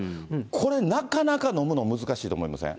これ、なかなか飲むの難しいと思いません？